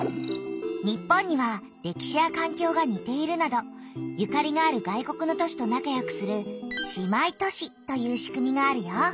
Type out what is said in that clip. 日本には歴史やかんきょうがにているなどゆかりがある外国の都市と仲よくする「姉妹都市」というしくみがあるよ。